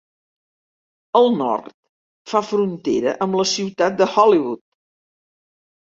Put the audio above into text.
Al nord fa frontera amb la ciutat de Hollywood.